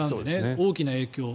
大きな影響を。